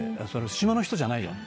島の人じゃないじゃん。